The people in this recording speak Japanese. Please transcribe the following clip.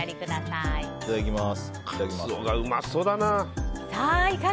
いただきます。